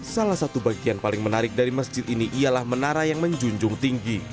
salah satu bagian paling menarik dari masjid ini ialah menara yang menjunjung tinggi